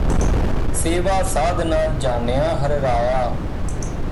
ਸੇਵਾ ਸਾਧ ਨ ਜਾਨਿਆ ਹਰਿ ਰਾਇਆ